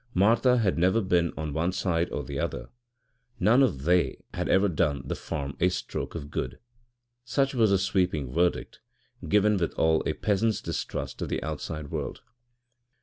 Martha had never been on one side or the other; none of "they" had ever done the farm a stroke of good. Such was her sweeping verdict, given with all a peasant's distrust of the outside world.